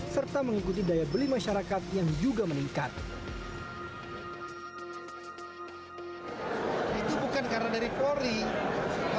serta mengingatkan bahwa penerbitan tanda nomor kendaraan bermotor